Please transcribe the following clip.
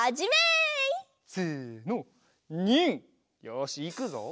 よしいくぞ。